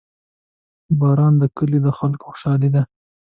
• باران د کلیو د خلکو خوشحالي ده.